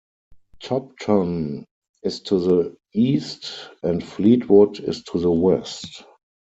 Topton is to the east, and Fleetwood is to the west.